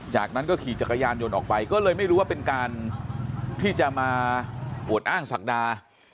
จากนั้นก็ขี่จักรยานยนต์ออกไปก็เลยไม่รู้ว่าเป็นการที่จะมาอวดอ้างศักดา